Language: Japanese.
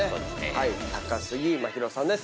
高杉真宙さんです。